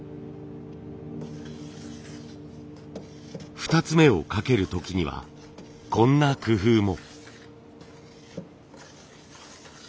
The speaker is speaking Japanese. ２つ目をかける時にはこんな工夫も。